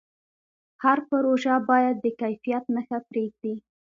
هر پروژه باید د کیفیت نښه پرېږدي.